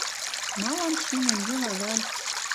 Малын шӱмем йыла вӓл?..